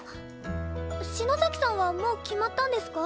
篠崎さんはもう決まったんですか？